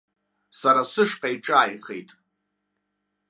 Сара сышҟа иҿааихеит.